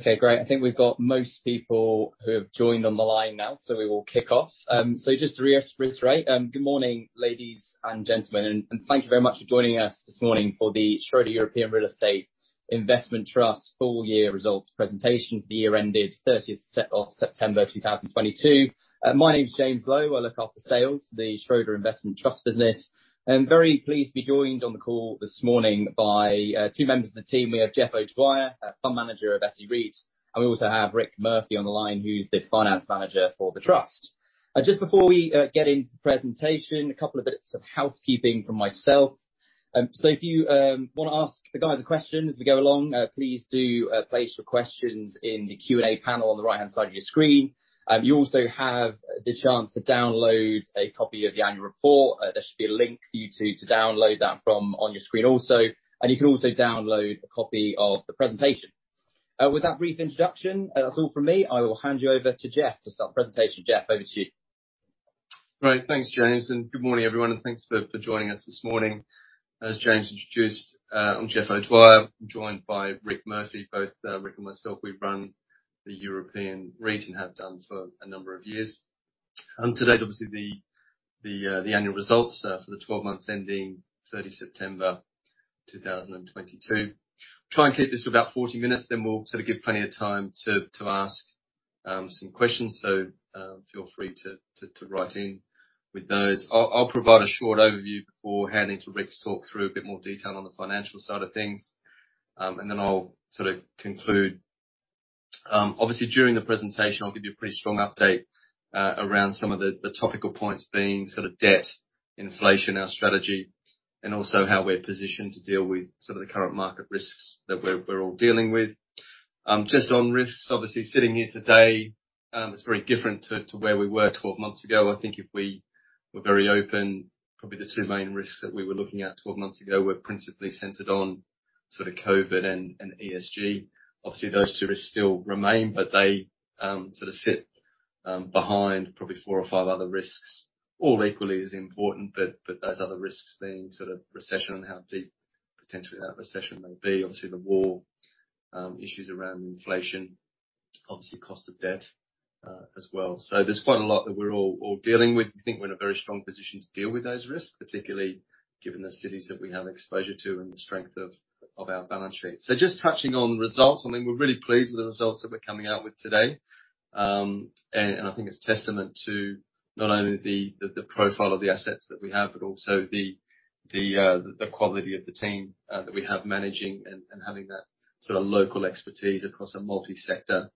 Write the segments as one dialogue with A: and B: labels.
A: Okay, great. I think we've got most people who have joined on the line now, we will kick off. Just to reiterate, good morning, ladies and gentlemen, and thank you very much for joining us this morning for the Schroder European Real Estate Investment Trust full year results presentation for the year ended 30th of September 2022. My name's James Lowe. I look after sales, the Schroder Investment Trust business. I'm very pleased to be joined on the call this morning by two members of the team. We have Jeff O'Dwyer, our Fund Manager of SEREIT, and we also hae Rick Murphy on the line, who's the Finance Manager for the trust. Just before we get into the presentation, a couple of bits of housekeeping from myself. If you wanna ask the guys questions as we go along, please do place your questions in the Q&A panel on the right-hand side of your screen. You also have the chance to download a copy of the annual report. There should be a link for you to download that from on your screen also, and you can also download a copy of the presentation. With that brief introduction, that's all from me. I will you over to Jeff to start the presentation. Jeff, over to you.
B: Great. Thanks, James, good morning, everyone, and thanks for joining us this morning. As James introduced, I'm Jeff O'Dwyer. I'm joined by Rick Murphy. Both, Rick and myself, we run the SEREIT and have done for a number of years. Today's obviously the annual results for the 12 months ending 30 September 2022. Try and keep this to about 40 minutes, we'll sort of give plenty of time to ask some questions. Feel free to write in with those. I'll provide a short overview before handing to Rick to talk through a bit more detail on the financial side of things. I'll sort of conclude. During the presentation, I'll give you a pretty strong update around some of the topical points being sort of debt, inflation, our strategy, and also how we're positioned to deal with some of the current market risks that we're all dealing with. Just on risks, obviously sitting here today, it's very different to where we were 12 months ago. I think if we were very open, probably the two main risks that we were looking at 12 months ago were principally centered on sort of COVID and ESG. Those two risks still remain, but they sort of sit behind probably four or five other risks, all equally as important, but those other risks being sort of recession and how deep potentially that recession may be, the war, issues around inflation, cost of debt as well. There's quite a lot that we're all dealing with. We think we're in a very strong position to deal with those risks, particularly given the cities that we have exposure to and the strength of our balance sheet. Just touching on results, I mean, we're really pleased with the results that we're coming out with today. I think it's testament to not only the profile of the assets that we have, but also the quality of the team that we have managing and having that sort of local expertise across a multi-sector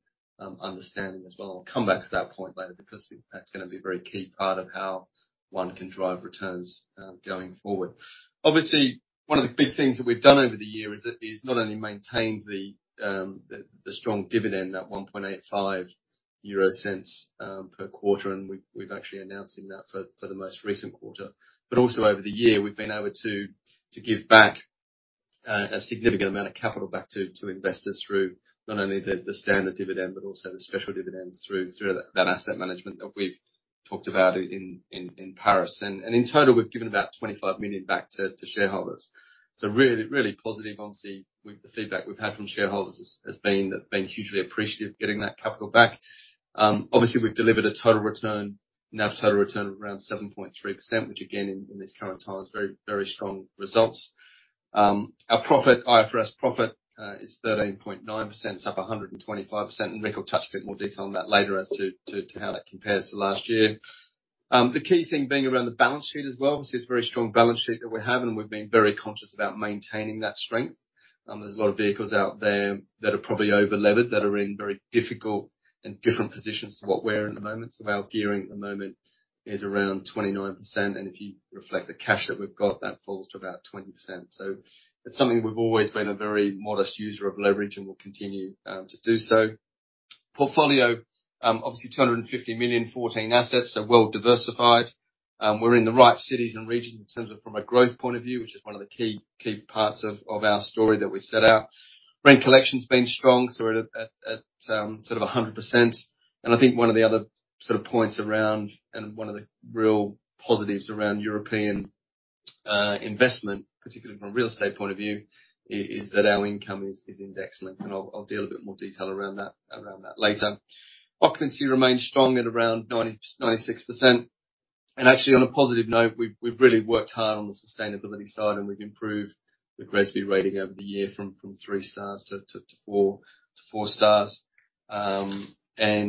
B: understanding as well. I'll come back to that point later because that's gonna be a very key part of how one can drive returns going forward. Obviously, one of the big things that we've done over the year is not only maintained the strong dividend, that 1.85 euro cents per quarter, and we've actually announcing that for the most recent quarter. Also over the year, we've been able to give back a significant amount of capital back to investors through not only the standard dividend but also the special dividends through that asset management that we've talked about in Paris. In total, we've given about 25 million back to shareholders. Really, really positive. Obviously, with the feedback we've had from shareholders has been they've been hugely appreciative getting that capital back. Obviously we've delivered a total return, NAV total return of around 7.3%, which again, in these current times, very, very strong results. Our profit, IFRS profit, is 13.9%. It's up 125%, Rick will touch a bit more detail on that later as to how that compares to last year. The key thing being around the balance sheet as well. Obviously, it's a very strong balance sheet that we have, and we've been very conscious about maintaining that strength. There's a lot of vehicles out there that are probably over-levered, that are in very difficult and different positions to what we're in the moment. Our gearing at the moment is around 29%, and if you reflect the cash that we've got, that falls to about 20%. It's something we've always been a very modest user of leverage and will continue to do so. Portfolio, obviously 250 million, 14 assets, so well diversified. We're in the right cities and regions in terms of from a growth point of view, which is one of the key parts of our story that we set out. Rent collection's been strong, sort of at 100%. I think one of the other sort of points around, and one of the real positives around European investment, particularly from a real estate point of view, is that our income is index linked, and I'll deal a bit more detail around that later. Occupancy remains strong at around 90-96%. Actually, on a positive note, we've really worked hard on the sustainability side and we've improved the GRESB rating over the year from 3 stars to 4 stars.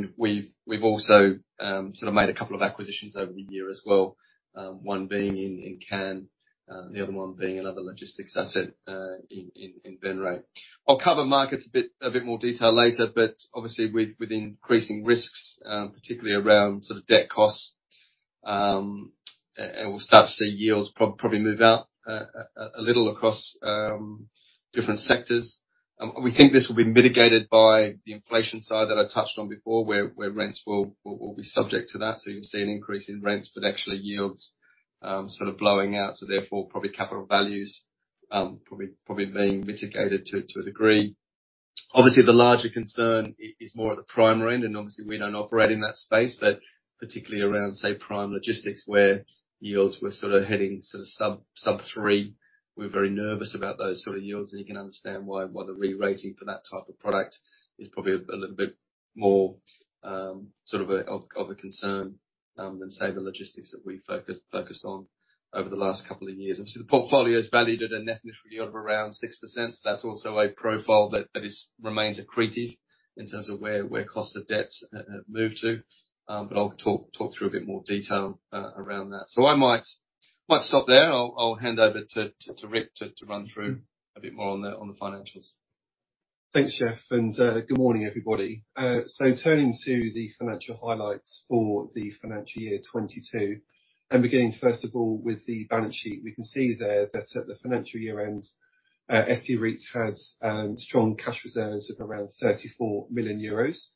B: We've also sort of made a couple of acquisitions over the year as well, one being in Cannes, the other one being another logistics asset in Venray. I'll cover markets a bit more detail later. Obviously with increasing risks, particularly around sort of debt costs, and we'll start to see yields probably move out a little across different sectors. We think this will be mitigated by the inflation side that I touched on before where rents will be subject to that. You'll see an increase in rents, but actually yields sort of blowing out, therefore probably capital values probably being mitigated to a degree. Obviously, the larger concern is more at the prime end, and obviously we don't operate in that space, but particularly around, say, prime logistics where yields were sort of heading sub 3%. We're very nervous about those sort of yields, and you can understand why the re-rating for that type of product is probably a little bit more of a concern than, say, the logistics that we focused on over the last couple of years. Obviously, the portfolio is valued at a net initial yield of around 6%. That's also a profile that remains accretive in terms of where costs of debts have moved to. But I'll talk through a bit more detail around that. I might stop there. I'll hand over to Rick to run through a bit more on the financials.
C: Thanks, Jeff, good morning, everybody. Turning to the financial highlights for the financial year 2022, and beginning, first of all, with the balance sheet. We can see there that at the financial year end, SEREITs had strong cash reserves of around 34 million euros.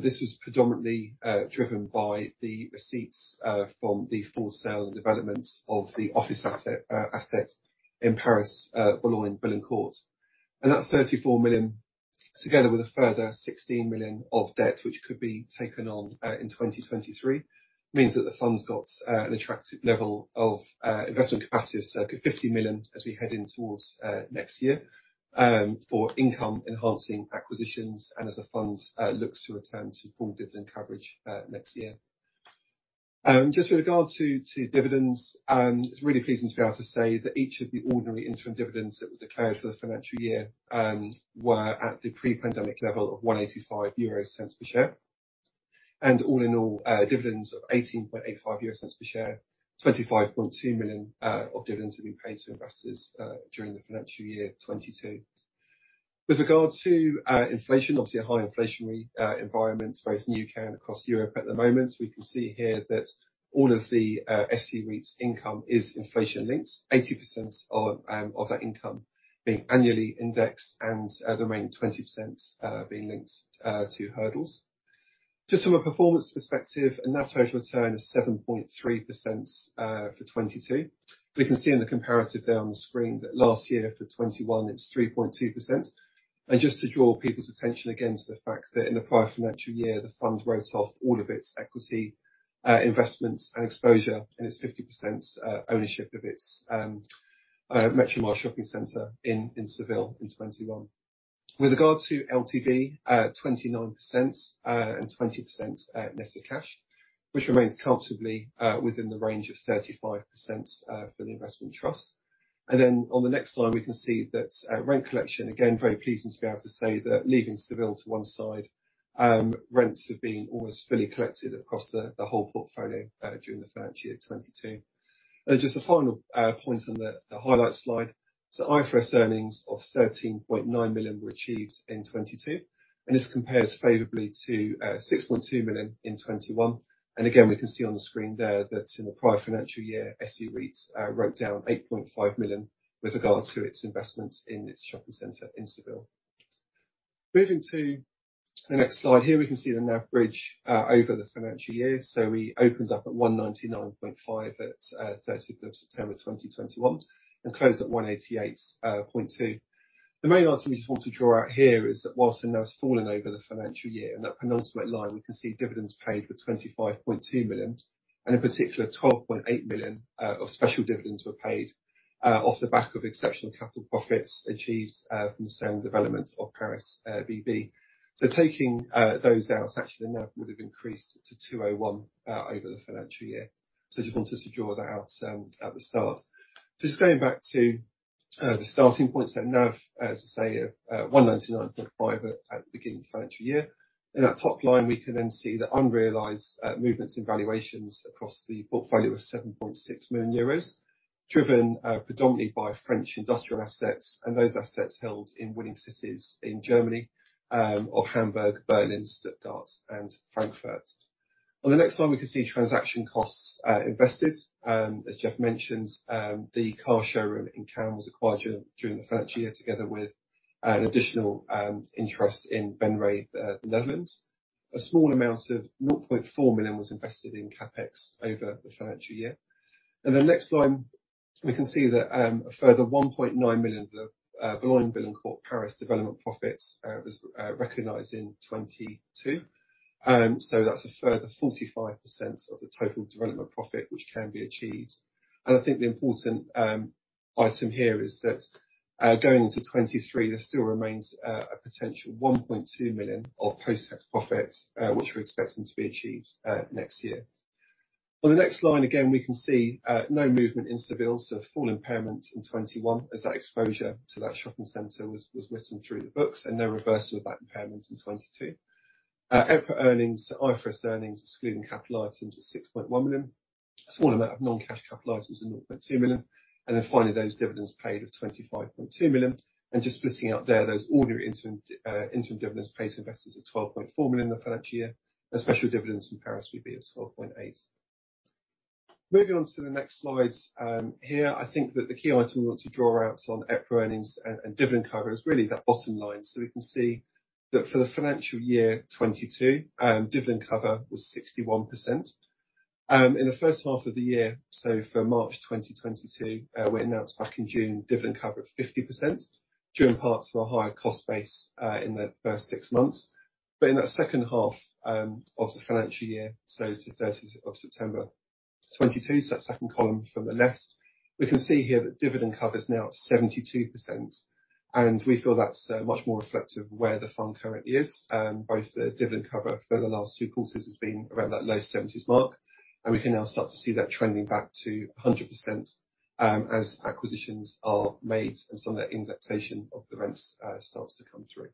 C: This was predominantly driven by the receipts from the full sale and development of the office asset in Paris, Boulogne-Billancourt. That 34 million, together with a further 16 million of debt which could be taken on in 2023, means that the fund's got an attractive level of investment capacity of circa 50 million as we head in towards next year, for income enhancing acquisitions and as the funds looks to return to full dividend coverage next year. Just with regard to dividends, it's really pleasing to be able to say that each of the ordinary interim dividends that were declared for the financial year were at the pre-pandemic level of 0.0185 per share. All in all, dividends of 0.1885 per share, 25.2 million of dividends will be paid to investors during the financial year 2022. With regard to inflation, obviously a high inflationary environment both in U.K. and across Europe at the moment. We can see here that all of the SEREIT's income is inflation linked, 80% of that income being annually indexed and the remaining 20% being linked to hurdles. Just from a performance perspective, a NAV total return of 7.3% for 2022. We can see in the comparative there on the screen that last year for 2021, it's 3.2%. Just to draw people's attention again to the fact that in the prior financial year, the fund wrote off all of its equity investments and exposure in its 50% ownership of its Metromar shopping center in Seville in 2021. With regard to LTV, 29% and 20% net of cash, which remains comfortably within the range of 35% for the investment trust. On the next slide, we can see that rent collection, again, very pleasing to be able to say that leaving Seville to one side, rents have been almost fully collected across the whole portfolio during the financial year 2022. Just a final point on the highlight slide. IFRS earnings of 13.9 million were achieved in 2022, and this compares favorably to 6.2 million in 2021. Again, we can see on t screen there that in the prior financial year, SEREITs wrote down 8.5 million with regard to its investments in its shopping center in Seville. Moving to the next slide. Here we can see the NAV bridge over the financial year. We opened up at 199.5 at 30th of September 2021 and closed at 188.2. The main item we just want to draw out here is that whilst the NAV has fallen over the financial year, in that penultimate line, we can see dividends paid were 25.2 million, and in particular, 12.8 million of special dividends were paid off the back of exceptional capital profits achieved from the sale and development of Paris, VB. Taking those out, actually the NAV would have increased to 201 over the financial year. Just wanted to draw that out at the start. Just going back to the starting points at NAV, as I say, 199.5 at the beginning of the financial year. In that top line, we can then see the unrealized movements in valuations across the portfolio of 7.6 million euros, driven predominantly by French industrial assets and those assets held in winning cities in Germany, of Hamburg, Berlin, Stuttgart and Frankfurt. On the next one, we can see transaction costs invested. As Jeff mentioned, the car showroom in Cannes was acquired during the financial year together with an additional interest in Venray, Netherlands. A small amount of 0.4 million was invested in CapEx over the financial year. In the next line, we can see that a further 1.9 million of the Boulogne-Billancourt Paris development profits was recognized in 2022. That's a further 45% of the total development profit which can be achieved. I think the important item here is that going into 2023, there still remains a potential 1.2 million of post-tax profits, which we're expecting to be achieved next year. On the next line, again, we can see no movement in Seville, so full impairment in 2021 as that exposure to that shopping center was written through the books and no reversal of that impairment in 2022. EPRA earnings, IFRS earnings excluding capital items of 6.1 million. A small amount of non-cash capital items of 0.2 million. Finally, those dividends paid of 25.2 million. Just splitting out there, those ordinary interim dividends paid to investors of 12.4 million in the financial year, and special dividends in Paris would be of 12.8 million. Moving on to the next slides. Here I think that the key item we want to draw out on EPRA earnings and dividend cover is really that bottom line. We can see that for the financial year 2022, dividend cover was 61%. In the first half of the year, so for March 2022, we announced back in June dividend cover of 50% during parts of a higher cost base in the first 6 months. In that second half of the financial year, so to 30 of September 2022, so that second column from the left, we can see here that dividend cover is now at 72%, and we feel that's much more reflective of where the fund currently is. Both the dividend cover for the last two quarters has been around that low 70s mark, and we can now start to see that trending back to 100%, as acquisitions are made and some of that indexation of the rents, starts to come through.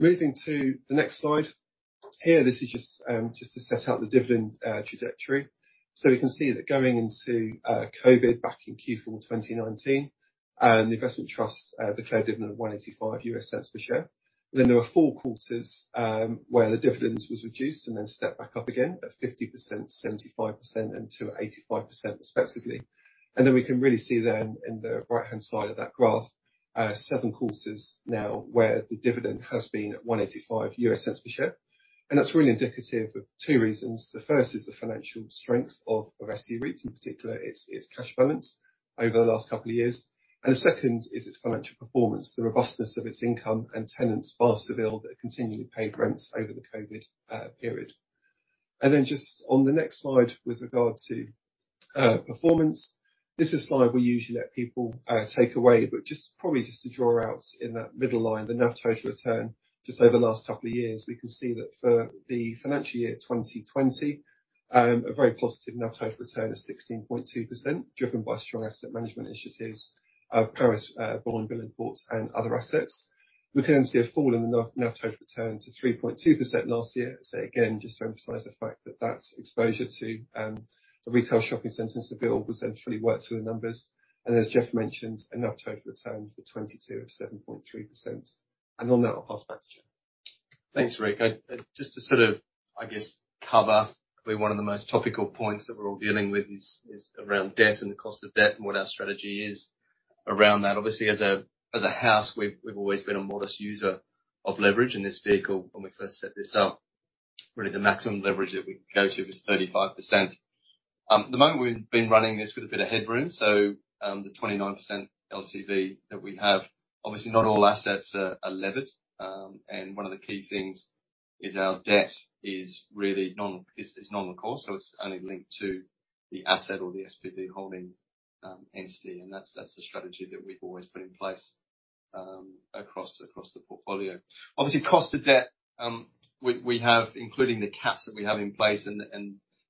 C: Moving to the next slide. Here, this is just to set out the dividend trajectory. We can see that going into COVID back in Q4 of 2019, the Investment Trust declared a dividend of 1.85 euro cents per share. There were four quarters, where the dividend was reduced and then stepped back up again at 50%, 75%, and to 85% respectively. We can really see then in the right-hand side of that graph, seven quarters now where the dividend has been at 1.85 euro cents per share. That's really indicative of two reasons. The first is the financial strength of SEREIT, in particular, its cash balance over the last couple of years. The second is its financial performance, the robustness of its income, and tenants, past Seville, that have continually paid rents over the COVID period. Just on the next slide with regard to performance, this is a slide we usually let people take away, probably just to draw out in that middle line, the NAV total return, just over the last couple of years, we can see that for the financial year 2020, a very positive NAV total return of 16.2%, driven by strong asset management initiatives of Paris, Boulogne-Billancourt and other assets. We can see a fall in the NAV total return to 3.2% last year. Again, just to emphasize the fact that that's exposure to the retail shopping centers the bill would essentially work through the numbers. As Jeff mentioned, a NAV total return for 2022 of 7.3%. On that, I'll pass back to Jeff.
B: Thanks, Rick. Just to sort of, I guess, cover probably one of most topical points that we're all dealing with is around debt and the cost of debt and what our strategy is around that. Obviously, as a, as a house, we've always been a modest user of leverage in this vehicle when we first set this up. Really, the maximum leverage that we could go to was 35%. At the moment, we've been running this with a bit of headroom, so the 29% LTV that we have, obviously not all assets are levered. One of the key things is our debt is really is non-recourse, so it's only linked to the asset or the SPV holding entity, and that's the strategy that we've always put in place across the portfolio. Obviously, cost of debt, we have, including the caps that we have in place and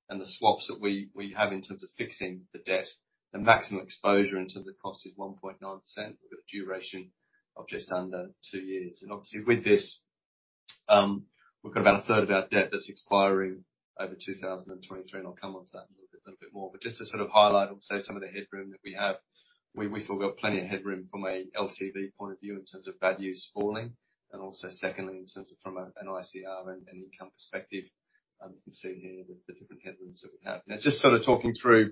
B: the swaps that we have in terms of fixing the debt, the maximum exposure in terms of the cost is 1.9% with a duration of just under 2 years. Obviously, with this, we've got about a third of our debt that's expiring over 2023, and I'll come onto that in a little bit more. Just to sort of highlight, say, some of the headroom that we have, we've still got plenty of headroom from an LTV point of view in terms of values falling, and also secondly, in terms of from an ICR and income perspective. You can see here the different headrooms that we have. Just sort of talking through,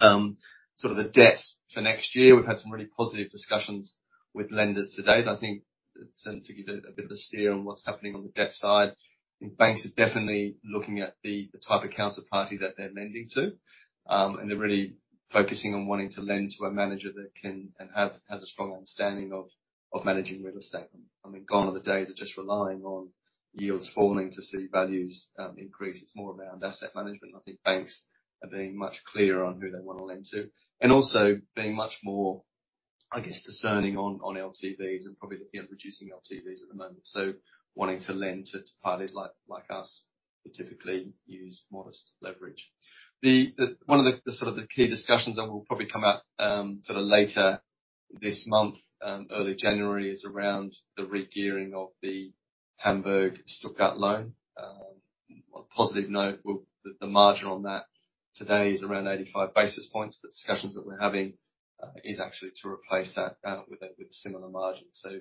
B: sort of the debts for next year. We've had some really positive discussions with lenders to date. I think to give a bit of a steer on what's happening on the debt side, I think banks are definitely looking at the type of counterparty that they're lending to, and they're really focusing on wanting to lend to a manager that can and has a strong understanding of managing real estate. I mean, gone are the days of just relying on yields falling to see values, increase. It's more around asset management. I think banks are being much clearer on who they wanna lend to, and also being much more, I guess, discerning on LTVs and probably looking at reducing LTVs at the moment. Wanting to lend to parties like us, who typically use modest leverage. One of the sort of the key discussions that will probably come out, sort of later this month, early January, is around the regearing of the Hamburg-Stuttgart loan. On a positive note, the margin on that today is around 85 basis points. The discussions that we're having, is actually to replace that, with similar margins. You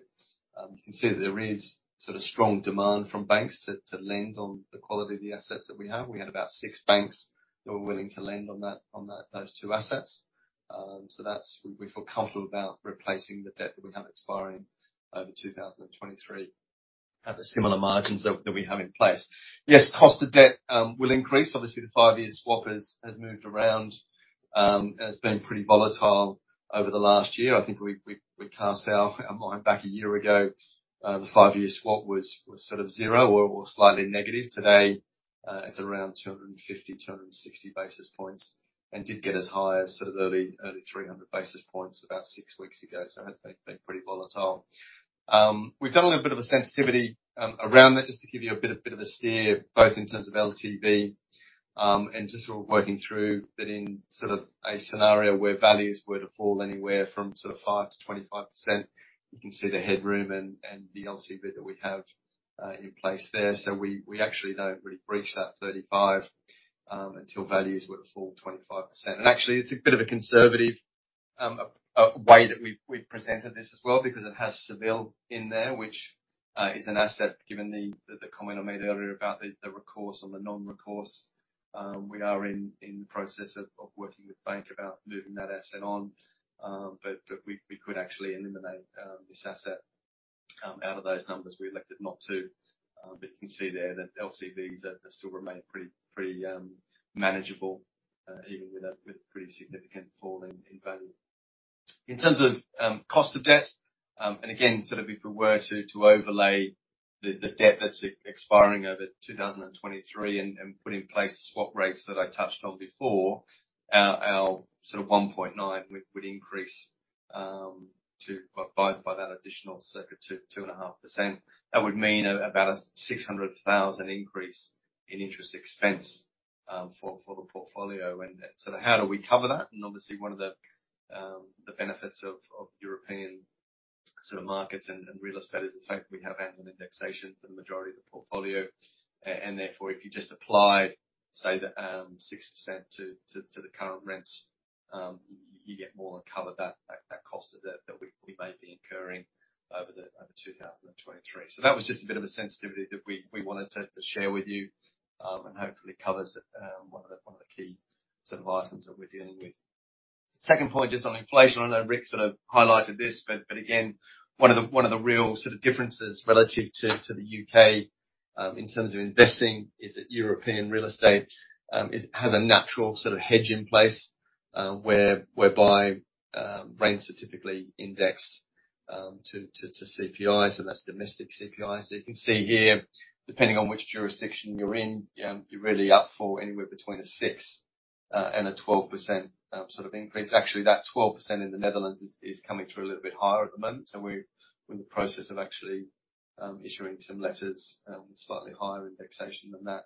B: can see that there is sort of strong demand from banks to lend on the quality of the assets that we have. We had about six banks that were willing to lend on that, those two assets. That's... We feel comfortable about replacing the debt that we have expiring over 2023 at the similar margins that we have in place. Cost of debt will increase. Obviously, the 5-year swap has moved around, and it's been pretty volatile over the last year. I think we cast our mind back a year ago, the 5-year swap was sort of zero or slightly negative. Today, it's around 250, 260 basis points, and did get as high as sort of early 300 basis points about 6 weeks ago. It has been pretty volatile. We've done a little bit of a sensitivity around that, just to give you a bit of a steer, both in terms of LTV, and just working through that in a scenario where values were to fall anywhere from 5%-25%. You can see the headroom and the LTV bit that we have in place there. We actually don't really breach that 35 until values were to fall 25%. Actually, it's a bit of a conservative way that we've presented this as well because it has Seville in there, which is an asset, given the comment I made earlier about the recourse on the non-recourse. We are in the process of working with banks about moving that asset on. But we could actually eliminate this asset out of those numbers. We elected not to. But you can see there that LTVs are still remain pretty manageable even wit a pretty significant fall in value. In terms of cost of debt, again, sort of if we were to overlay the debt that's expiring over 2023 and put in place the swap rates that I touched on before, our sort of 1.9% would increase by that additional circa 2-2.5%. That would mean about a 600,000 increase in interest expense for the portfolio. How do we cover that? Obviously, one of the benefits of European sort of markets and real estate is the fact we have annual indexation for the majority of the portfolio. And therefore, if you just apply, say the 6% to the current rents, you get more than cover that cost of debt that we may be incurring over 2023. That was just a bit of a sensitivity that we wanted to share with you, and hopefully covers one of the key sort of items that we're dealing with. Second point just on inflation, I know Rick sort of highlighted this, but again, one of the real sort of differences relative to the UK in terms of investing, is that European real estate, it has a natural sort of hedge in place, whereby rents are typically indexed to CPI, so that's domestic CPI. You can see here, depending on which jurisdiction you're in, you're really up for anywhere between a 6%-12% sort of increase. Actually, that 12% in the Netherlands is coming through a little bit higher at the moment, so we're in the process of actually issuing some letters with slightly higher indexation than that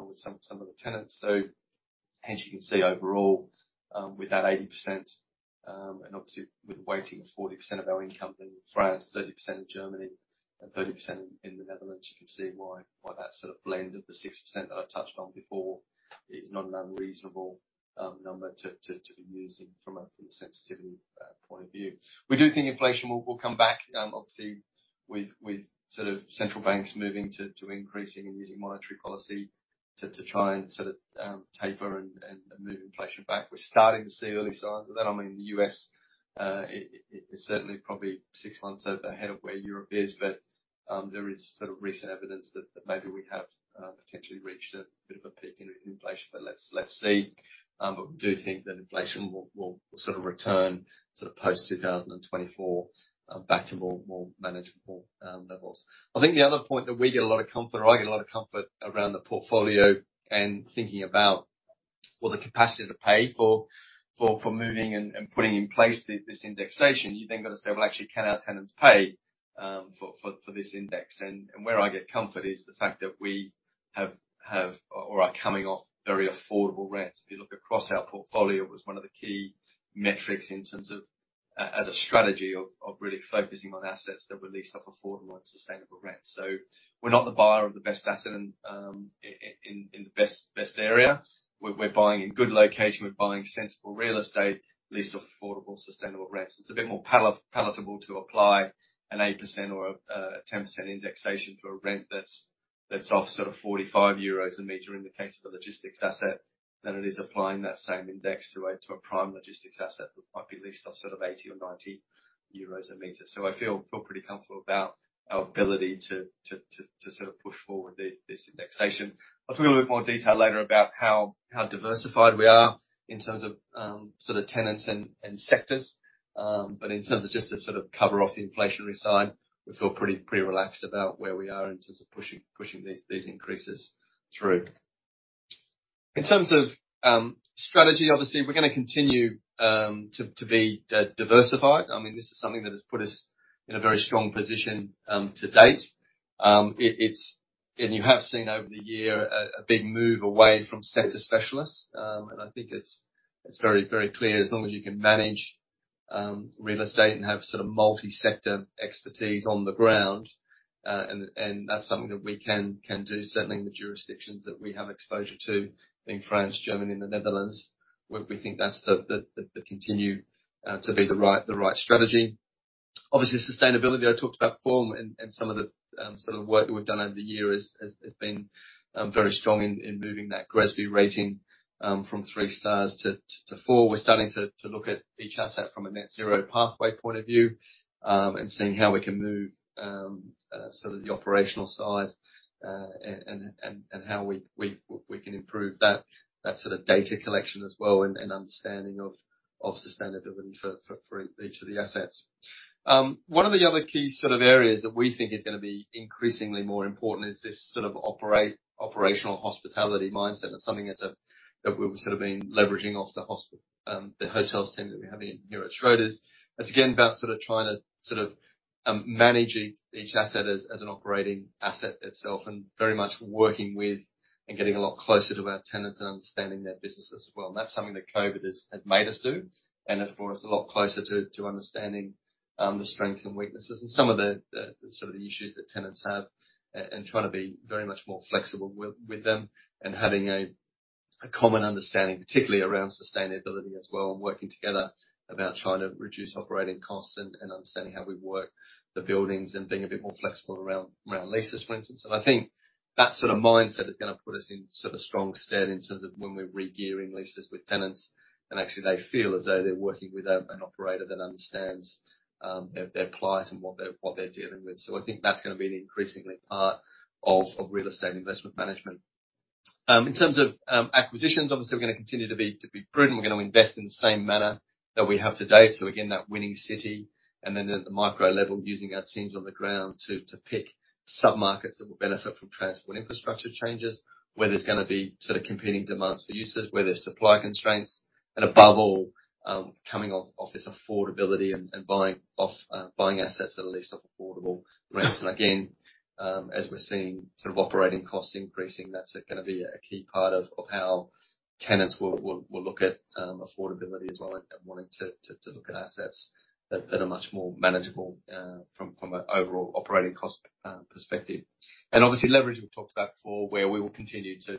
B: with some of the tenants. As you can see overall, with that 80%, and obviously with a weighting of 40% of our income in France, 30% in Germany, and 30% in the Netherlands, you can see why that sort of blend of the 6% that I touched on before is not an unreasonable number to be using from a sensitivity point of view. We do think inflation will come back, obviously with sort of central banks moving to increasing and using monetary policy to try and sort of taper and move inflation back. We're starting to see early signs of that. I mean, the US, it's certainly probably six months ahead of where Europe is, but there is sort of recent evidence that maybe we have, potentially reached a bit of a peak in inflation. Let's see. We do think that inflation will sort of return post 2024, back to more manageable levels. I think the other point that we get a lot of comfort or I get a lot of comfort around the portfolio and thinking about, well, the capacity to pay for moving and putting in place this indexation, you've then got to say, "Well, actually, can our tenants pay for this index?" Where I get comfort is the fact that we have or are coming off very affordable rents. If you look across our portfolio, it was one of the key metrics in terms of as a strategy of really focusing on assets that were leased off affordable and sustainable rents. We're not the buyer of the best asset in the best area. We're buying in good location, we're buying sensible real estate leased off affordable, sustainable rents. It's a bit more palatable to apply an 8% or a 10% indexation for a rent that's off sort of 45 euros a meter in the case of a logistics asset than it is applying that same index to a prime logistics asset that might be leased off sort of 80 or 90 euros a meter. I feel pretty comfortable about our ability to sort of push forward this indexation. I'll talk in a little bit more detail later about how diversified we are in terms of sort of tenants and sectors. In terms of just to sort of cover off the inflationary side, we feel pretty relaxed about where we are in terms of pushing these increases through. In terms of strategy, obviously, we're gonna continue to be diversified. I mean, this is something that has put us in a very strong position to date. You have seen over the year a big move away from sector specialists. I think it's very, very clear as long as you can manage real estate and have sort of multi-sector expertise on the ground, and that's something that we can do, certainly in the jurisdictions that we have exposure to, being France, Germany, and the Netherlands. We think that's the continue to be the right strategy. Obviously, sustainability, I talked about Form and some of the sort of work that we've done over the years has been very strong in moving that GRESB rating from 3 stars to 4. We're starting to look at each asset from a net zero pathway point of view, and seeing how we can move sort of the operational side, and how we can improve that sort of data collection as well and understanding of sustainability for each of the assets. One of the other key sort of areas that we think is gonna be increasingly more important is this operational hospitality mindset. That's something that's that we've sort of been leveraging off the hotels team that we have in here at Schroders. That's again about sort of trying to manage each asset as an operating asset itself, and very much working with and getting a lot closer to our tenants and understanding their business as well. That's something that COVID has made us do and has brought us a lot closer to understanding the sort of the issues that tenants have and trying to be very much more flexible with them and having a common understanding, particularly around sustainability as well and working together about trying to reduce operating costs and understanding how we work the buildings and being a bit more flexible around leases, for instance. I think that sort of mindset is gonna put us in sort of strong stead in terms of when we're regearing leases with tenants, and actually they feel as though they're working with an operator that understands their plights and what they're dealing with. I think that's gonna be an increasingly part of real estate investment management. In terms of acquisitions, obviously, we're gonna continue to be prudent. We're gonna invest in the same manner that we have to date. Again, that winning city, and then at the micro level, using our teams on the ground to pick sub-markets that will benefit from transport infrastructure changes, where there's gonna be sort of competing demands for uses, where there's supply constraints, and above all, coming off this affordability and buying off assets that are leased off affordable rents. Again, as we're seeing sort of operating costs increasing, that's gonna be a key part of how tenants will look at affordability as well and wanting to look at assets that are much more manageable from a overall operating cost perspective. Obviously, leverage, we've talked about before, where we will continue to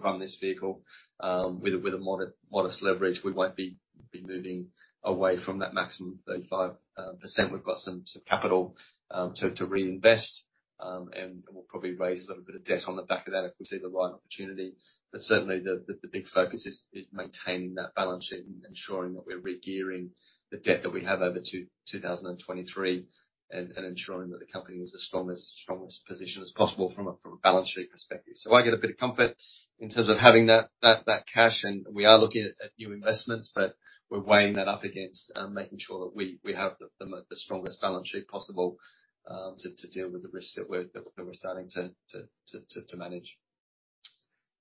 B: run this vehicle with a modest leverage. We won't be moving away from that maximum 35%. We've got some capital to reinvest, and we'll probably raise a little bit of debt on the back of that if we see the right opportunity. Certainly the big focus is maintaining that balance sheet and ensuring that we're regearing the debt that we have over to 2023 and ensuring that the company is the strongest position as possible from a balance sheet perspective. I get a bit of comfort in terms of having that cash and we are looking at new investments, but we're weighing that up against making sure that we have the strongest balance sheet possible to deal with the risks that we're starting to manage.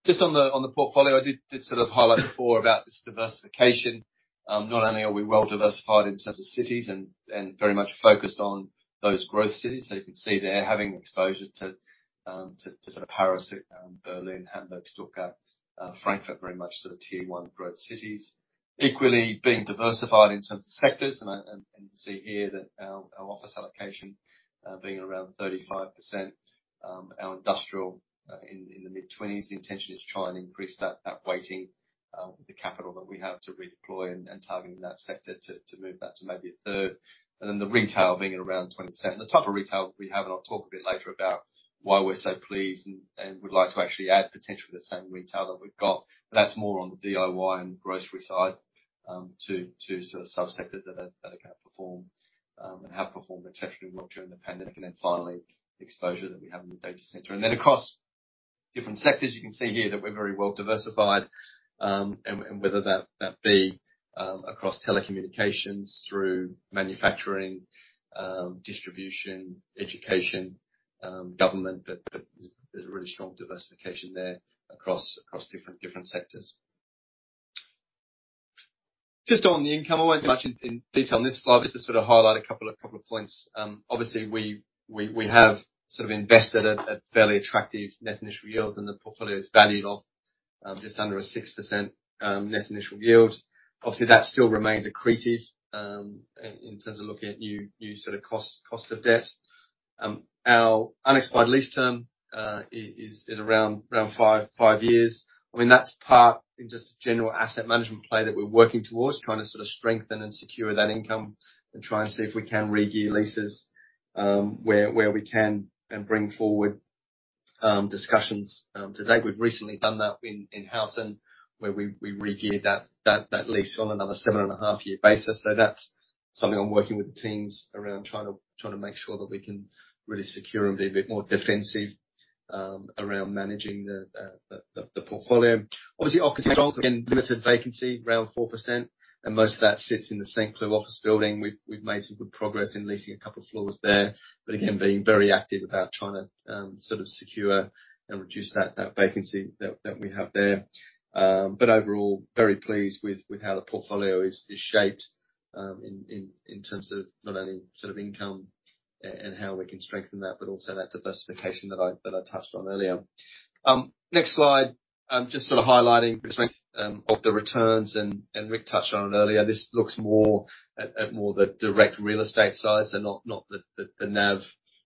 B: On the portfolio, I did sort of highlight before about this diversification. Not only are we well diversified in terms of cities and very much focused on those growth cities, so you can see there having exposure to sort of Paris, Berlin, Hamburg, Stuttgart, Frankfurt, very much sort of tier one growth cities. Equally being diversified in terms of sectors and you can see here that our office allocation, being around 35%, our industrial, in the mid-20s. The intention is to try and increase that weighting, the capital that we have to redeploy and targeting that sector to move that to maybe a third. Then the retail being at around 20%. The type of retail that we have, I'll talk a bit later about why we're so pleased and would like to actually add potentially the same retail that we've got. That's more on the DIY and grocery side, two sort of sub-sectors that are gonna perform and have performed exceptionally well during the pandemic. Finally, the exposure that we have in the data center. Across different sectors, you can see here that we're very well diversified and whether that be across telecommunications, through manufacturing, distribution, education, government. There's a really strong diversification there across different sectors. Just on the income, I won't go much in detail on this slide. Just to sort of highlight a couple of points. Obviously we have sort of invested at fairly attractive net initial yields, and the portfolio is valued off just under a 6% net initial yield. Obviously, that still remains accreted in terms of looking at new sort of cost of debt. Our unexpired lease term is around 5 years. I mean, that's part in just general asset management play that we're working towards, trying to sort of strengthen and secure that income and try and see if we can regear leases where we can, and bring forward discussions. To date, we've recently done that in house and where we regeared that lease on another 7.5 year basis. That's something I'm working with the teams around trying to make sure that we can really secure and be a bit more defensive around managing the portfolio. Obviously, occupancy rates, again, limited vacancy, around 4%, and most of that sits in the Saint Cloud office building. We've made some good progress in leasing a couple floors there, but again, being very active about trying to secure and reduce that vacancy that we have there. Overall, very pleased with how the portfolio is shaped in terms of not only sort of income and how we can strengthen that, but also that diversification that I touched on earlier. Next slide, just sort of highlighting performance of the returns and Rick touched on it earlier. This looks more at more the direct real estate side and not the NAV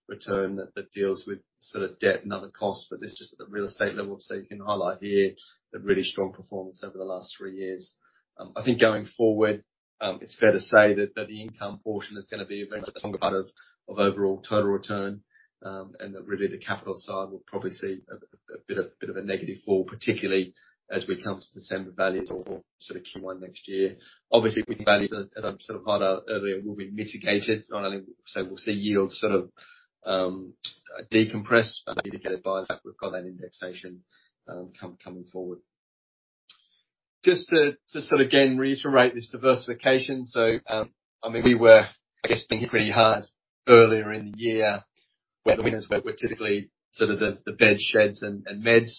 B: return that deals with sort of debt and other costs. This is just at the real estate level, so you can highlight here the really strong performance over the last three years. I think going forward, it's fair to say that the income portion is gonna be a very strong part of overall total return, and that really the capital side will probably see a bit of a negative fall, particularly as we come to December values or sort of Q1 next year. Obviously, with values, as I sort of highlighted earlier, will be mitigated. Not only say we'll see yields sort of decompress, but mitigated by the fact we've got that indexation coming forward. Just sort of again reiterate this diversification. I mean, we were, I guess, hit pretty hard earlier in the year where the winners were typically sort of the beds, sheds, and meds.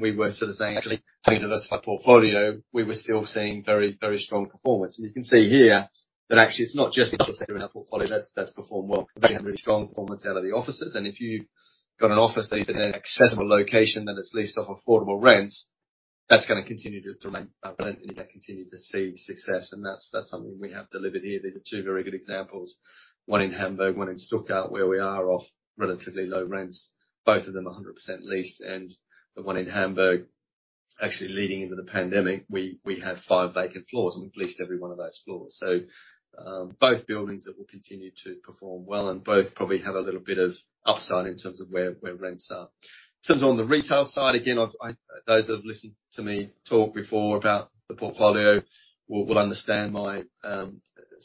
B: We were sort of saying, actually, having a diversified portfolio, we were still seeing very strong performance. You can see here that actually it's not just office space in our portfolio that's performed well. We've seen very strong performance out of the offices, if you've got an office that is in an accessible location that is leased off affordable rents, that's gonna continue to remain relevant and continue to see success, and that's something we have delivered here. These are two very good examples, one in Hamburg, one in Stuttgart, where we are off relatively low rents, both of them 100% leased. The one in Hamburg, actually leading into the pandemic, we had five vacant floors, and we've leased every one of those floors. Both buildings that will continue to perform well and both probably have a little bit of upside in terms of where rents are. In terms of on the retail side, again, those that have listened to me talk before about the portfolio will understand my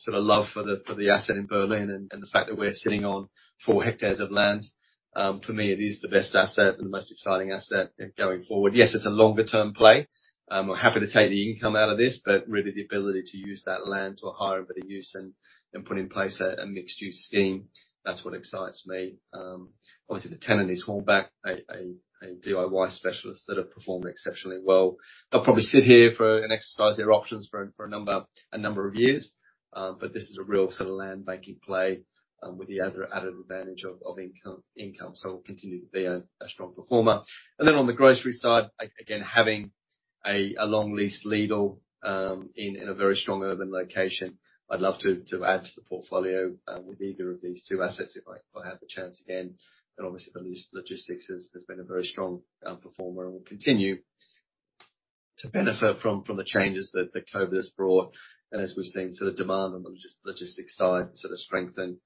B: sort of love for the asset in Berlin and the fact that we're sitting on four hectares of land. For me, it is the best asset and the most exciting asset going forward. Yes, it's a longer-term play. We're happy to take the income out of this, but really the ability to use that land to a higher bit of use and put in place a mixed-use scheme, that's what excites me. Obviously, the tenant is Hornbach, a DIY specialist that have performed exceptionally well. They'll probably sit here and exercise their options for a number of years. But this is a real sort of land banking play with the other added advantage of income. It'll continue to be a strong performer. On the grocery side, again, having a long lease Lidl in a very strong urban location, I'd love to add to the portfolio with either of these two assets, if I have the chance again. Obviously the logistics has been a very strong performer and will continue to benefit from the changes that COVID has brought. As we've seen, sort of demand on the logistics side sort of strengthen,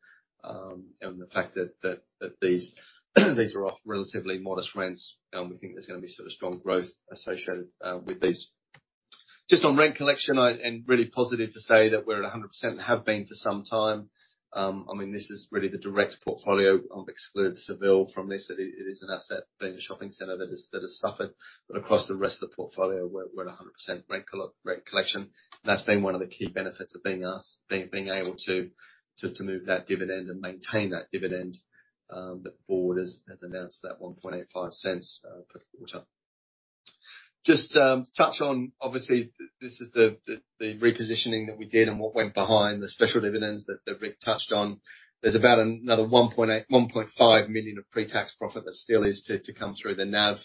B: and the fact that these are off relatively modest rents, we think there's gonna be sort of strong growth associated with these. Just on rent collection, and really positive to say that we're at 100% and have been for some time. I mean, this is really the direct portfolio. I've excluded Seville from this. It is an asset, being a shopping center, that has suffered. Across the rest of the portfolio, we're at 100% rent collection. That's been one of the key benefits of being able to move that dividend and maintain that dividend, the board has announced that 1.85 cents per quarter. Just touch on, obviously, this is the repositioning that we did and what went behind the special dividends that Rick touched on. There's about another 1.5 million of pre-tax profit that still is to come through the NAV.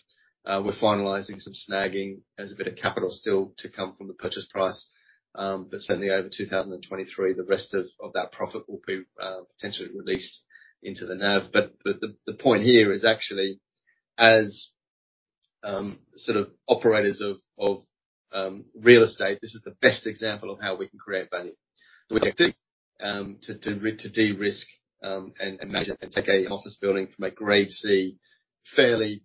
B: We're finalizing some snagging. There's a bit of capital still to come from the purchase price. Certainly over 2023, the rest of that profit will be potentially released into the NAV. The point here is actually, as sort of operators of real estate, this is the best example of how we can create value. To de-risk and take a office building from a Grade C, fairly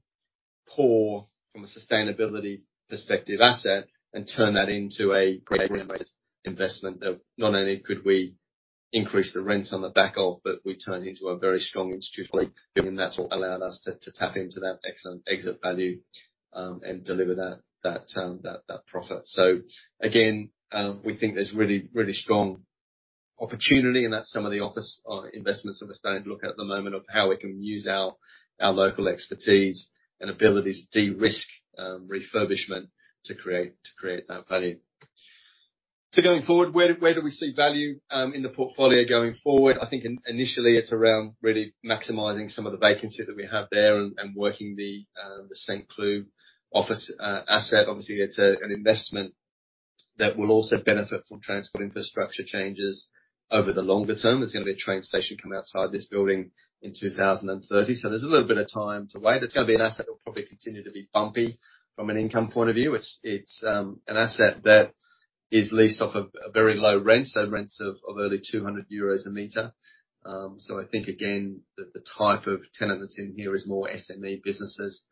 B: poor from a sustainability perspective asset, and turn that into an investment that not only could we increase the rents on the back of, but we turned into a very strong institutional building. That's what allowed us to tap into that excellent exit value and deliver that profit. Again, we think there's really strong opportunity, and that's some of the office investments that we're starting to look at the moment of how we can use our local expertise and ability to de-risk refurbishment to create that value. Going forward, where do we see value in the portfolio going forward? I think initially it's around really maximizing some of the vacancy that we have there and working the Saint-Cloud office asset. Obviously, it's an investment that will also benefit from transport infrastructure changes over the longer term. There's gonna be a train station come outside this building in 2030. There's a little bit of time to wait. It's gonna be an asset that will probably continue to be bumpy from an income point of view. It's an asset that is leased off of a very low rent, so rents of only 200 euros a meter. I think, again, the type of tenant that's in here is more SME businesses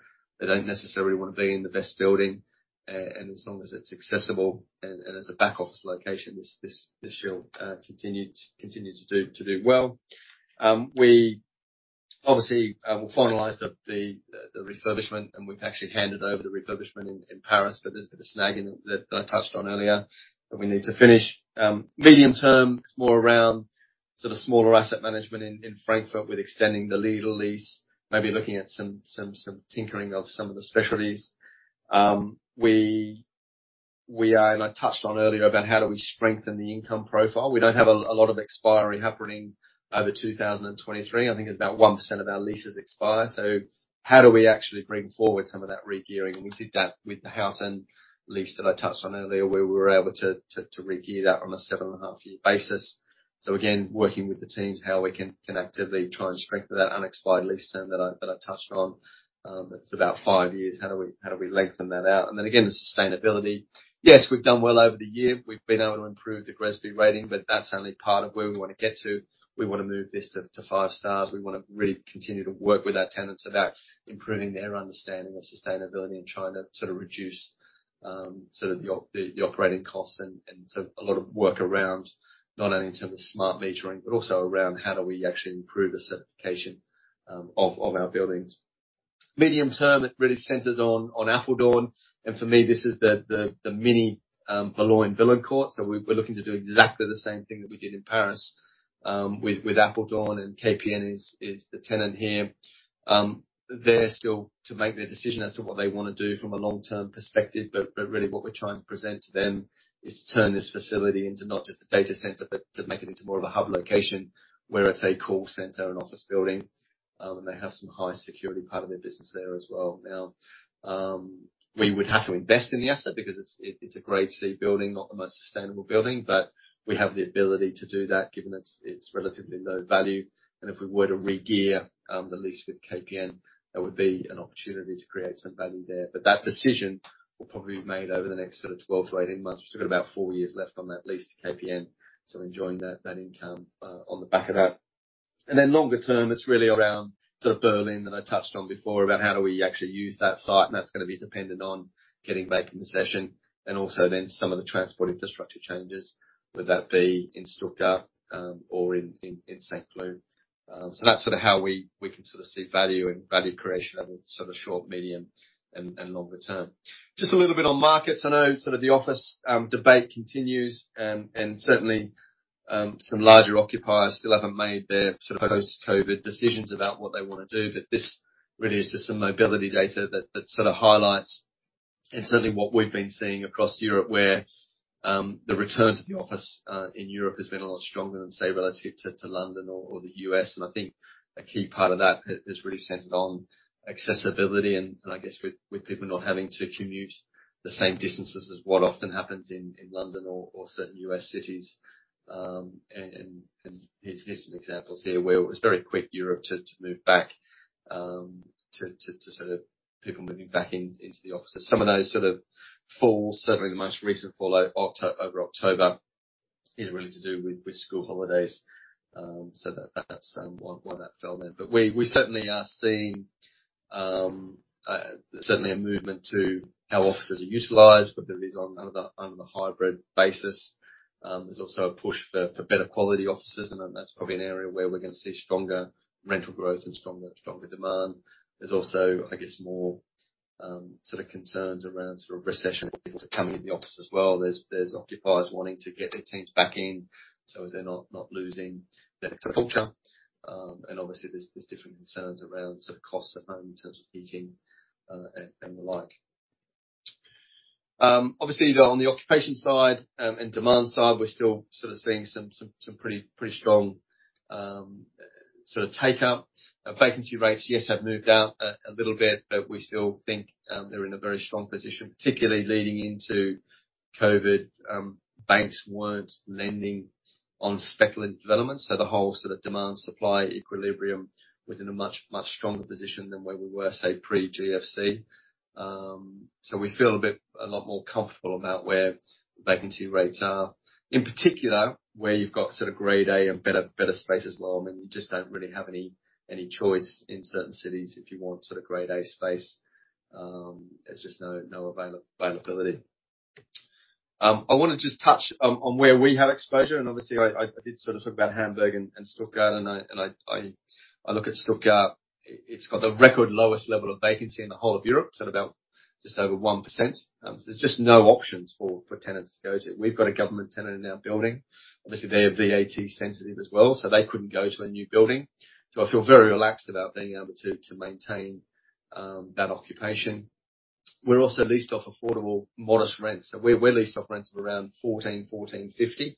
B: that don't necessarily wanna be in the best building. As long as it's accessible and as a back-office location, this should continue to do well. We obviously will finalize the refurbishment, and we've actually handed over the refurbishment in Paris, but there's a bit of snag that I touched on earlier that we need to finish. Medium term, it's more around sort of smaller asset management in Frankfurt with extending the Lidl lease, maybe looking at some tinkering of some of the specialties. We are I touched on earlier about how do we strengthen the income profile. We don't have a lot of expiry happening over 2023. I think it's about 1% of our leases expire. How do we actually bring forward some of that regearing? We did that with the Houten lease that I touched on earlier, where we were able to regear that on a 7.5-year basis. Again, working with the teams, how we can actively try and strengthen that unexpired lease term that I touched on, that's about 5 years. How do we lengthen that out? Then again, the sustainability. Yes, we've done well over the year. We've been able to improve the GRESB rating, but that's only part of where we wanna get to. We wanna move this to 5 stars. We wanna really continue to work with our tenants about improving their understanding of sustainability and trying to sort of reduce, sort of the operating costs and so a lot of work around not only in terms of smart metering, but also around how do we actually improve the certification of our buildings. Medium term, it really centers on Apeldoorn. For me, this is the mini Boulogne-Billancourt. We're looking to do exactly the same thing that we did in Paris, with Apeldoorn, and KPN is the tenant here. They're still to make their decision as to what they wanna do from a long-term perspective, but really what we're trying to present to them is to turn this facility into not just a data center, but make it into more of a hub location where it's a call center and office building. They have some high security part of their business there as well. Now, we would have to invest in the asset because it's a Grade C building, not the most sustainable building, but we have the ability to do that given its relatively low value. If we were to regear the lease with KPN, that would be an opportunity to create some value there. That decision will probably be made over the next sort of 12-18 months. We've still got about 4 years left on that lease to KPN, so we're enjoying that income on the back of that. Then longer term, it's really around sort of Berlin that I touched on before about how do we actually use that site, and that's gonna be dependent on getting vacant possession, and also then some of the transport infrastructure changes, whether that be in Stuttgart or in Saint Cloud. That's sort of how we can sort of see value and value creation at the sort of short, medium, and longer term. Just a little bit on markets. I know sort of the office debate continues and certainly some larger occupiers still haven't made their sort of post-COVID decisions about what they wanna do. This really is just some mobility data that sort of highlights and certainly what we've been seeing across Europe, where the return to the office in Europe has been a lot stronger than, say, relative to London or the U.S. I think a key part of that has really centered on accessibility and I guess with people not having to commute the same distances as what often happens in London or certain U.S. cities. Here's some examples here where it was very quick Europe to move back to sort of people moving back into the office. Some of those sort of falls, certainly the most recent fall over October, is really to do with school holidays. So that's why that fell then. We certainly are seeing certainly a movement to how offices are utilized, whether it is under the hybrid basis. There's also a push for better quality offices, and that's probably an area where we're gonna see stronger rental growth and stronger demand. There's also, I guess, more sort of concerns around sort of recession people to come into the office as well. There's occupiers wanting to get their teams back in, so as they're not losing their culture. And obviously there's different concerns around sort of costs at home in terms of heating and the like. Obviously though on the occupation side and demand side, we're still sort of seeing some pretty strong sort of take-up. Vacancy rates, yes, have moved out a little bit. We still think they're in a very strong position, particularly leading into COVID. Banks weren't lending on speculative developments, the whole sort of demand supply equilibrium was in a much stronger position than where we were, say, pre-GFC. We feel a lot more comfortable about where vacancy rates are. In particular, where you've got sort of Grade A and better space as well. I mean, you just don't really have any choice in certain cities if you want sort of Grade A space. There's just no availability. I wanna just touch on where we have exposure. Obviously I did sort of talk about Hamburg and Stuttgart. I look at Stuttgart. It's got the record lowest level of vacancy in the whole of Europe. It's at about just over 1%. There's just no options for tenants to go to. We've got a government tenant in our building. Obviously, they are VAT sensitive as well, so they couldn't go to a new building. I feel very relaxed about being able to maintain that occupation. We're also leased off affordable modest rents. We're leased off rents of around 14, 14.50,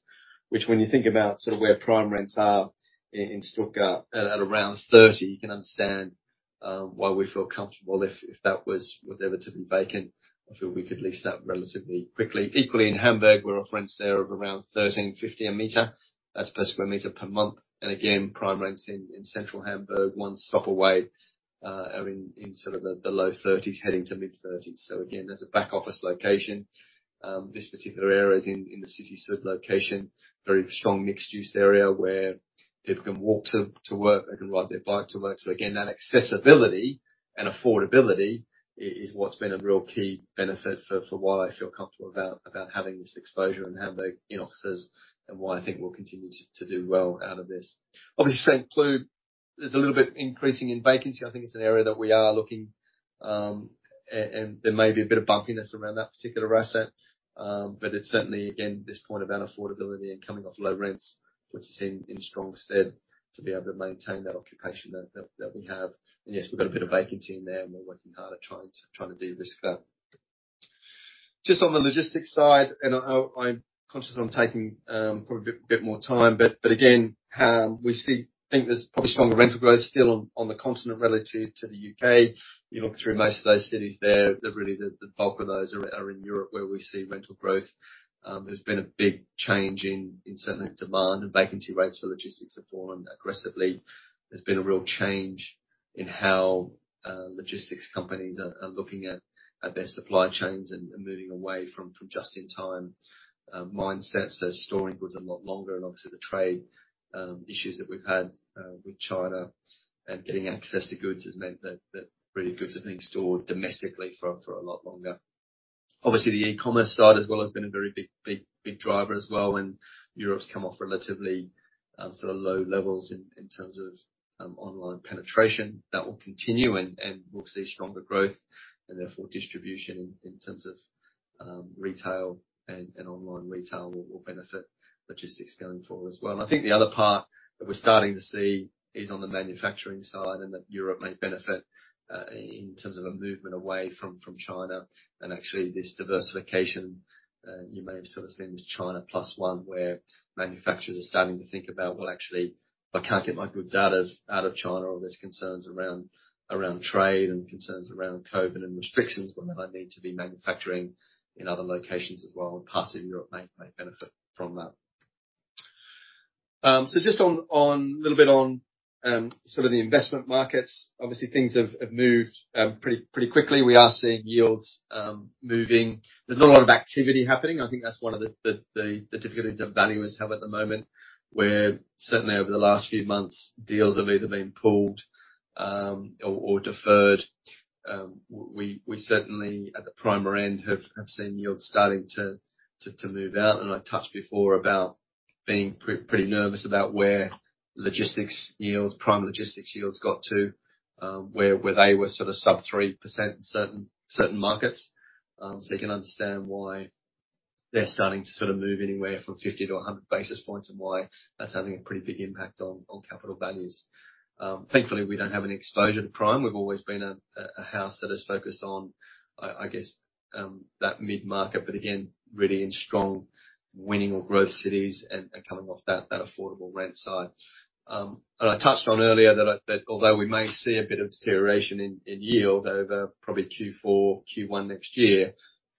B: which when you think about sort of where prime rents are in Stuttgart at around 30, you can understand why we feel comfortable if that was ever to be vacant. I feel we could lease that relatively quickly. Equally, in Hamburg, we're off rents there of around 13.50 a meter. That's per square meter per month. Again, prime rents in central Hamburg, one stop away, are in sort of the low 30s, heading to mid-30s. Again, that's a back office location. This particular area is in the city sort of location, very strong mixed use area where people can walk to work, they can ride their bike to work. Again, that accessibility and affordability is what's been a real key benefit for why I feel comfortable about having this exposure and have the, you know, offices and why I think we'll continue to do well out of this. Obviously, Saint Cloud is a little bit increasing in vacancy. I think it's an area that we are looking, and there may be a bit of bumpiness around that particular asset. It's certainly, again, this point about affordability and coming off low rents, which is in strong stead to be able to maintain that occupation that we have. Yes, we've got a bit of vacancy in there and we're working hard at trying to de-risk that. Just on the logistics side, I'm conscious I'm taking a bit more time, but again, we think there's probably stronger rental growth still on the continent relative to the U.K. You look through most of those cities there, they're really the bulk of those are in Europe where we see rental growth. There's been a big change in certainly demand and vacancy rates for logistics have fallen aggressively. There's been a real change in how logistics companies are looking at their supply chains and moving away from just-in-time mindsets. Storing goods a lot longer. Obviously the trade issues that we've had with China and getting access to goods has meant that really goods are being stored domestically for a lot longer. Obviously, the e-commerce side as well has been a very big driver as well. Europe's come off relatively sort of low levels in terms of online penetration. That will continue and we'll see stronger growth and therefore distribution in terms of retail and online retail will benefit logistics going forward as well. I think the other part that we're starting to see is on the manufacturing side and that Europe may benefit in terms of a movement away from China and actually this diversification, you may have sort of seen as China plus one, where manufacturers are starting to think about, well, actually, if I can't get my goods out of China or there's concerns around trade and concerns around COVID and restrictions, well, then I need to be manufacturing in other locations as well, and parts of Europe may benefit from that. So just on little bit on sort of the investment markets. Obviously, things have moved pretty quickly. We are seeing yields moving. There's a lot of activity happening. I think that's one of the difficulties that valuers have at the moment, where certainly over the last few months, deals have either been pulled or deferred. We certainly, at the primer end, have seen yields starting to move out. I touched before about being pretty nervous about where logistics yields, prime logistics yields got to, where they were sort of sub 3% in certain markets. You can understand why they're starting to sort of move anywhere from 50 to 100 basis points, and why that's having a pretty big impact on capital values. Thankfully, we don't have any exposure to prime. We've always been a house that is focused on, I guess, that mid-market. Again, really in strong winning or growth cities and coming off that affordable rent side. I touched on earlier that although we may see a bit of deterioration in yield over probably Q4, Q1 next year,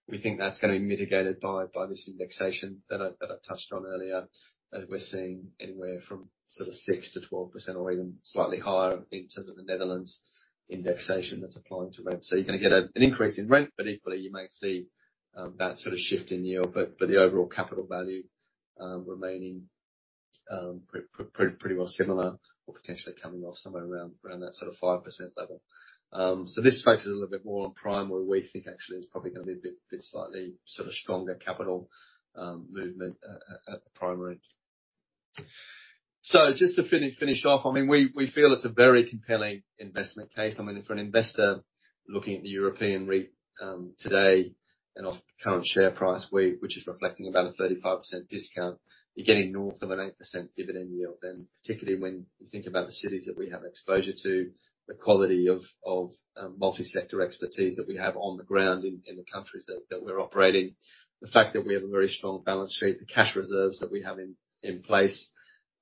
B: we think that's gonna be mitigated by this indexation that I touched on earlier. That we're seeing anywhere from sort of 6%-12% or even slightly higher in terms of the Netherlands indexation that's applying to rent. You're gonna get a, an increase in rent, but equally you may see that sort of shift in yield. The overall capital value remaining pretty well similar or potentially coming off somewhere around that sort of 5% level. This focuses a little bit more on prime, where we think actually there's probably gonna be a bit slightly stronger capital movement at the prime rate. Just to finish off, I mean, we feel it's a very compelling investment case. I mean, for an investor looking at the European REIT today and off current share price, which is reflecting about a 35% discount, you're getting north of an 8% dividend yield. Particularly when you think about the cities that we have exposure to, the quality of multi-sector expertise that we have on the ground in the countries that we're operating. The fact that we have a very strong balance sheet, the cash reserves that we have in place,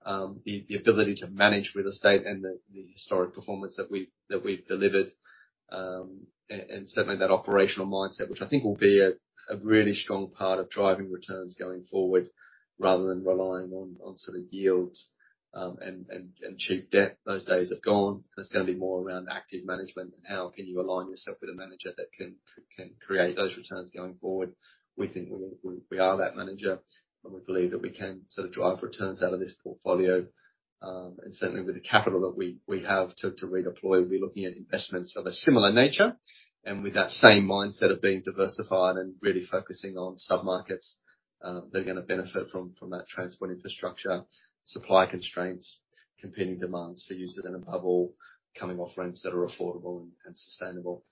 B: the ability to manage real estate and the historic performance that we've delivered. Certainly that operational mindset, which I think will be a really strong part of driving returns going forward, rather than relying on sort of yields and cheap debt. Those days have gone. There's gonna be more around active management and how can you align yourself with a manager that can create thos returns going forward. We think we are that manager, and we believe that we can sort of drive returns out of this portfolio. Certainly with the capital that we have to redeploy, we're looking at investments of a similar nature. With that same mindset of being diversified and really focusing on sub-markets that are going to benefit from that transport infrastructure, supply constraints, competing demands for usage, and above all, coming off rents that are affordable and sustainable.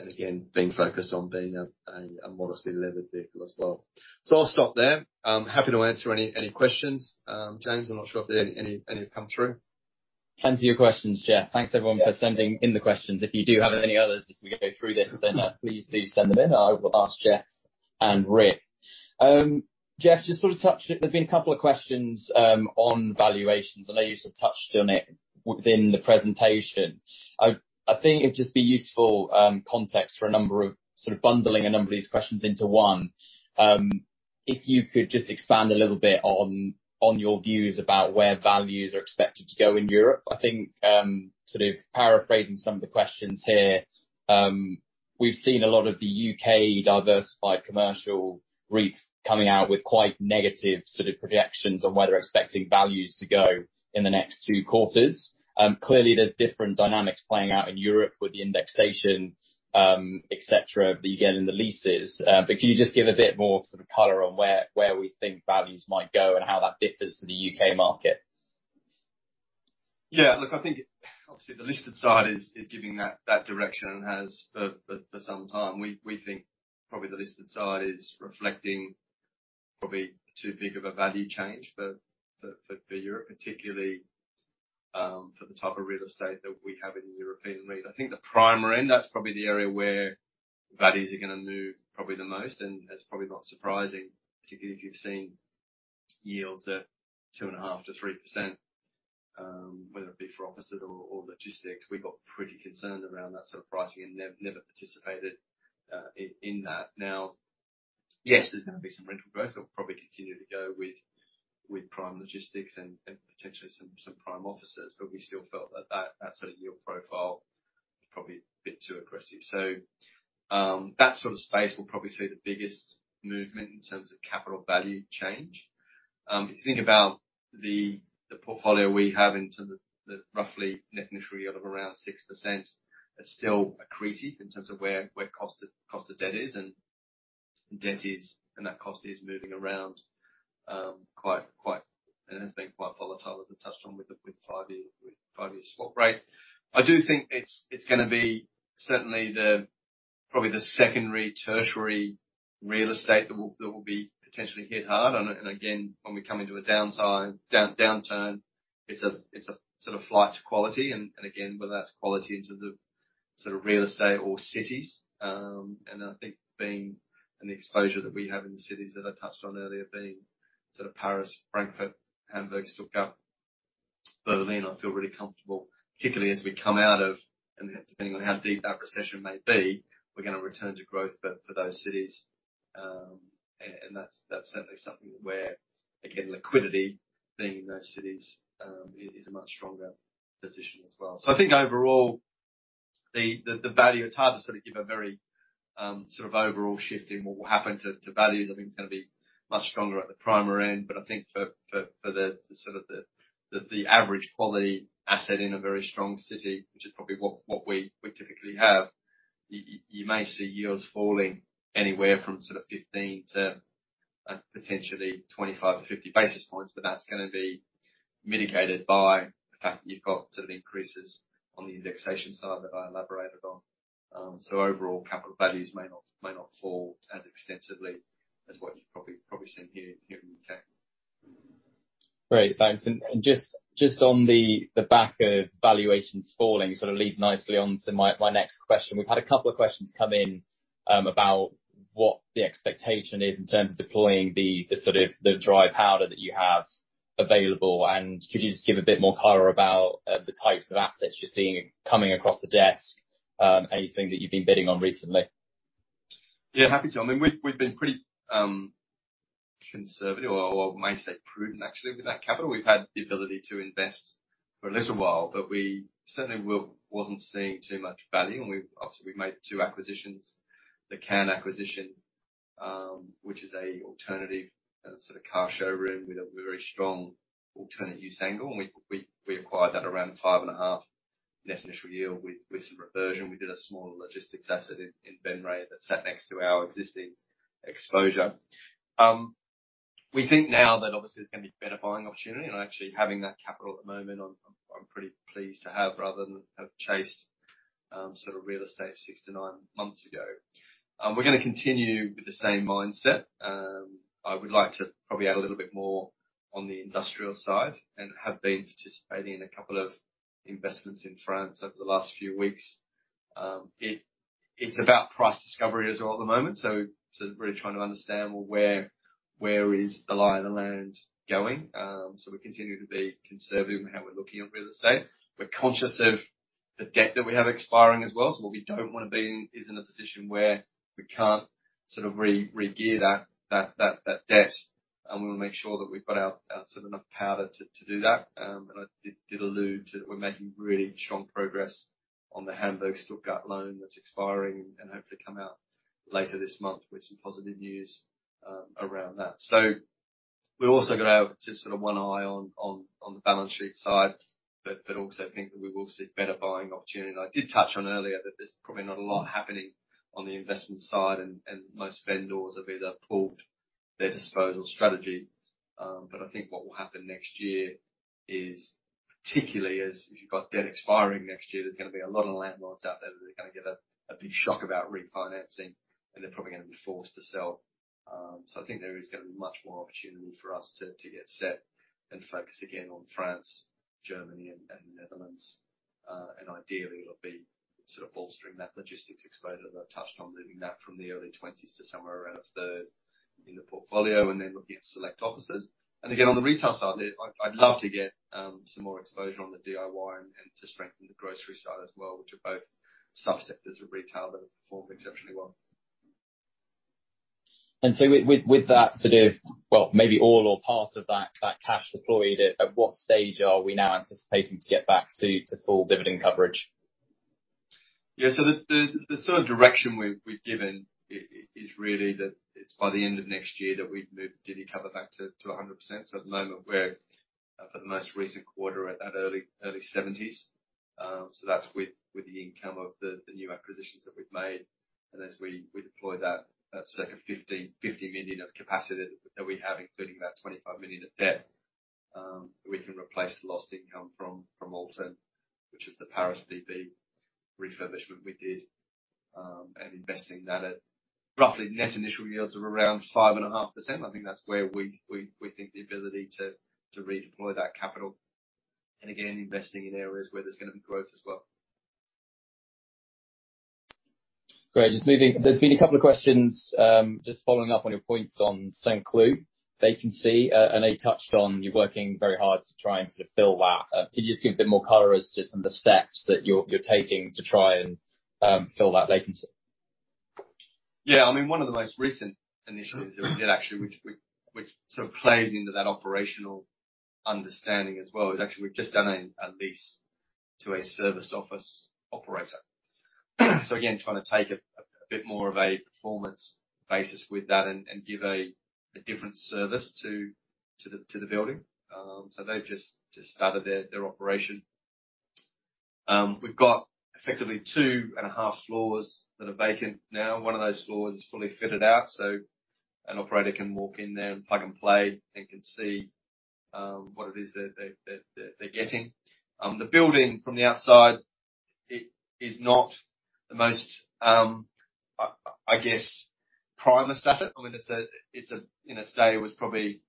B: Again, being focused on being a modestly levered vehicle as well. I'll stop there. I'm happy to answer any questions. James, I'm not sure if there are any have come through.
A: Plenty of questions, Jeff. Thanks everyone for sending in the questions. If you do have any others as we go through this, then, please send them in. I will ask Jeff and Rick. Jeff, there's been a couple of questions on valuations, I know you sort of touched on it within the presentation. I think it'd just be useful context for a number of, sort of bundling a number of these questions into one. If you could just expand a little bit on your views about where values are expected to go in Europe. I think, sort of paraphrasing some of the questions here, we've seen a lot of the U.K. diversified commercial REITs coming out with quite negative sort of projections on where they're expecting values to go in the next two quarters. Clearly, there's different dynamics playing out in Europe with the indexation, et cetera, that you get in the leases. Can you just give a bit more sort of color on where we think values might go and how that differs to the UK market?
B: Look, I think obviously the listed side is giving that direction and has for some time. We think probably the listed side is reflecting probably too big of a value change for Europe particularly for the type of real estate that we have in the European REIT. I think the prime end, that's probably the area where values are gonna move probably the most. That's probably not surprising, particularly if you've seen yields at 2.5%-3%, whether it be for offices or logistics. We got pretty concerned around that sort of pricing and never participated in that. Yes, there's gonna be some rental growth. It'll probably continue to g with prime logistics and potentially some prime offices. We still felt that that sort of yield profile is probably a bit too aggressive. That sort of space will probably see the biggest movement in terms of capital value change. If you think about the portfolio we have in terms of the roughly net initial yield of around 6%, it's still accretive in terms of where cost of debt is and debt is, and that cost is moving around, quite, and has been quite volatile, as I touched on with the 5-year swap rate. I do think it's gonna be certainly the, probably the secondary, tertiary real estate that will be potentially hit hard. Again, when we come into a downturn, it's a, it's a sort of flight to quality and, again, whether that's quality into the sort of real estate or cities. I think being, and the exposure that we have in the cities that I touched on earlier, being sort of Paris, Frankfurt, Hamburg, Stuttgart, Berlin, I feel really comfortable, particularly as we come out of, and depending on how deep that recession may be, we're gonna return to growth but for those cities. That's certainly something where again, liquidity being in those cities, is a much stronger position as well. I think overall, the value. It's hard to sort of give a very, sort of overall shift in what will happen to values. I think it's gonna be much stronger at the prime end. I think for the sort of the average quality asset in a very strong city, which is probably what we typically have, you may see yields falling anywhere from sort of 15 to potentially 25-50 basis points, but that's gonna be mitigated by the fact that you've got sort of increases on the indexation side that I elaborated on. Overall, capital values may not fall as extensively as what you've probably seen here in the U.K.
A: Great. Thanks. Just on the back of valuations falling, sort of leads nicely on to my next question. We've had a couple of questions come in about what the expectation is in terms of deploying the sort of the dry powder that you have available. Could you just give a bit more color about the types of assets you're seeing coming across the desk, anything that you've been bidding on recently?
B: Yeah, happy to. I mean, we've been pretty conservative or I may say prudent actually with that capital. We've had the ability to invest for a little while. We certainly wasn't seeing too much value. Obviously, we've made two acquisitions. The Cannes acquisition, which is a alternative sort of car showroom with a very strong alternate use angle. We acquired that around 5.5% net initial yield with some reversion. We did a smaller logistics asset in Venray that sat next to our existing exposure. We think now that obviously there's gonna be better buying opportunity and actually having that capital at the moment, I'm pretty pleased to have rather than have chased sort of real estate 6-9 months ago. We're going to continue with the same mindset. I would like to probably add a little bit more on the industrial side and have been participating in a couple of investments in France over the last few weeks. It's about price discovery as well at the moment. Really trying to understand where is the lie of the land going. We continue to be conservative in how we're looking at real estate. We're conscious of the debt that we have expiring as well. What we don't wanna be in is in a position where we can't sort of regear that debt, and we wanna make sure that we've got our sort of enough powder to do that. I did allude to that we're making really strong progress on the Hamburg Stuttgart loan that's expiring and hopefully come out later this month with some positive news around that. We've also got to have sort of one eye on the balance sheet side, but also think that we will see better buying opportunity. I did touch on earlier that there's probably not a lot happening on the investment side and most vendors have either pulled their disposal strategy. I think what will happen next year is particularly as if you've got debt expiring next year, there's gonna be a lot of landlords out there that are gonna get a big shock about refinancing, and they're probably gonna be forced to sell. I think there is gonna be much more opportunity for us to get set and focus again on France, Germany and Netherlands. Ideally, it'll be sort of bolstering that logistics exposure that I've touched on, moving that from the early 20s to somewhere around a third in the portfolio and then looking at select offices. Again, on the retail side, I'd love to get some more exposure on the DIY and to strengthen the grocery side as well, which are both subsectors of retail that have performed exceptionally well.
A: With that sort of well, maybe all or part of that cash deployed, at what stage are we now anticipating to get back to full dividend coverage?
B: The sort of direction we've given is really that it's by the end of next year that we'd move dividend cover back to 100%. At the moment we're for the most recent quarter at that early 70s. That's with the income of the new acquisitions that we've made. As we deploy that sort of 50 million of capacity that we have, including that 25 million of debt, we can replace the lost income from Alfortville, which is the Paris, Boulogne-Billancourt refurbishment we did. Investing that at roughly net initial yields of around 5.5%. I think that's where we think the ability to redeploy that capital, and again, investing in areas where there's gonna be growth as well.
A: Great. There's been a couple of questions, just following up on your points on Saint Cloud vacancy. They touched on you working very hard to try and sort of fill that. Can you just give a bit more color as to some of the steps that you're taking to try and fill that vacancy?
B: Yeah. I mean, one of the most recent initiatives that we did actually, which sort of plays into that operational understanding as well, is actually we've just done a lease to a service office operator. Again, trying to take a bit more of a performance basis with that and give a different service to the building. They've just started their operation. We've got effectively two and a half floors that are vacant now. One of those floors is fully fitted out, so an operator can walk in there and plug and play and can see what it is that they're getting. The building from the outside is not the most, I guess, primest asset. I mean, it's a in its day, it was probably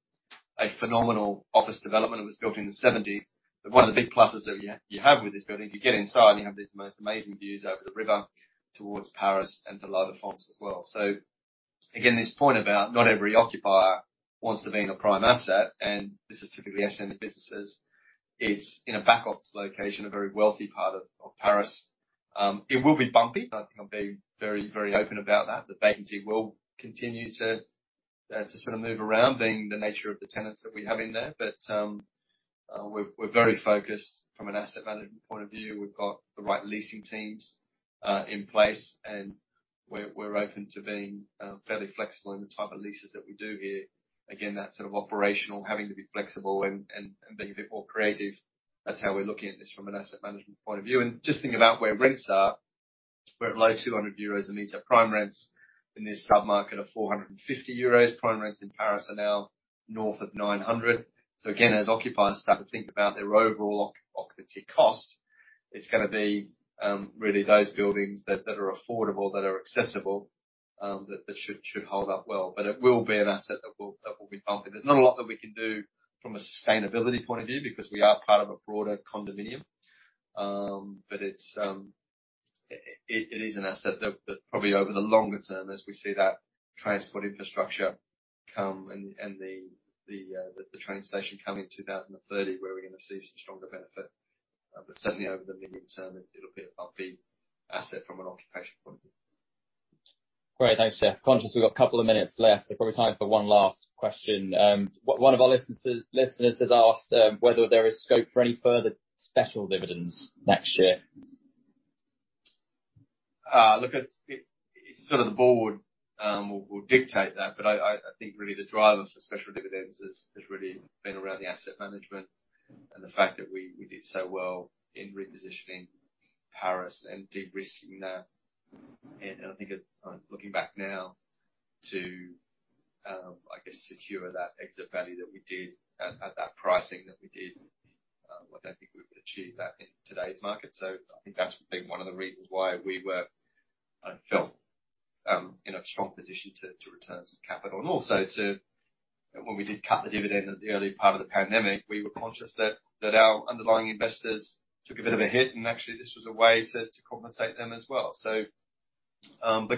B: a phenomenal office development. It was built in the seventies. One of the big pluses that you have with this building, if you get inside, you have these most amazing views over the river towards Paris and to La Defense as well. Again, this point about not every occupier wants to be in a prime asset, and this is typically ascended businesses. It's in a back office location, a very wealthy part of Paris. It will be bumpy. I think I'm being very open about that. The vacancy will continue to sort of move around being the nature of the tenants that we have in there. We're very focused from an asset management point of view. We've got the right leasing teams in place, and we're open to being fairly flexible in the type of leases that we do here. Again, that sort of operational, having to be flexible and being a bit more creative. That's how we're looking at this from an asset management point of view. Just thinking about where rents are, we're at low 200 euros a meter prime rents in this sub-market of 450 euros. Prime rents in Paris are now north of 900. Again, as occupiers start to think about their overall occupancy costs, it's gonna be really those buildings that are affordable, that are accessible, that should hold up well. It will be an asset that will be bumpy. There's not a lot that we can do from a sustainability point of view because we are part of a broader condominium. It is an asset that probably over the longer term, as we see that transport infrastructure come and the train station come in 2030 where we're gonna see some stronger benefit. Certainly over the medium term, it'll be a bumpy asset from an occupation point of view.
A: Great. Thanks, Jeff. Conscious we've got a couple of minutes left, so probably time for one last question. One of our listeners has asked whether there is scope for any further special dividends next year.
B: Look, it's sort of the board will dictate that, but I think really the driver for special dividends has really been around the asset management and the fact that we did so well in repositioning Paris and de-risking that. I think at looking back now to, I guess, secure that exit value that we did at that pricing that we did, I don't think we would achieve that in today's market. I think that's been one of the reasons why we were felt in a strong position to return some capital and also when we did cut the dividend at the early part of the pandemic, we were conscious that our underlying investors took a bit of a hit, and actually this was a way to compensate them as well.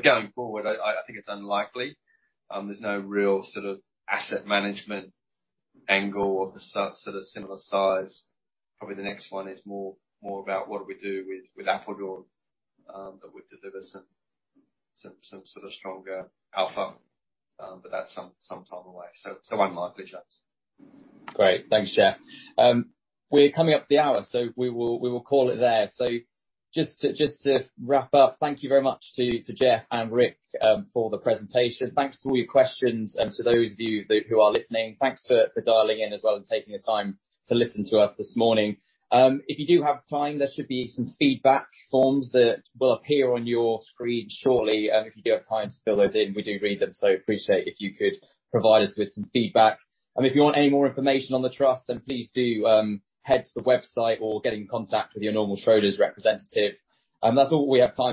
B: Going forward, I think it's unlikely. There's no real sort of asset management angle of the sort of similar size. Probably the next one is more about what do we do with Apeldoorn that would deliver some sort of stronger alpha. That's some time away, so unlikely, James.
A: Great. Thanks, Jeff. We're coming up to the hour, we will call it there. Just to wrap up, thank you very much to Jeff and Rick for the presentation. Thanks for all your questions and to those of you who are listening. Thanks for dialing in as well and taking the time to listen to us this morning. If you do have time, there should be some feedback forms that will appear on your screen shortly. If you do have time to fill those in, we do read them, appreciate if you could provide us with some feedback. If you want any more information on the trust, please do head to the website or get in contact with your normal Schroders representative. That's all we have time for.